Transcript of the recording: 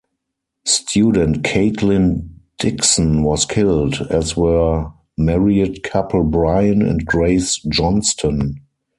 Student Caitlin Dickson was killed, as were married couple Brian and Grace Johnston.